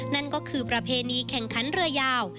นั่นก็คือประเพณีแข่งขันเรือยาว